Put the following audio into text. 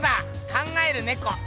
「考えるねこ」。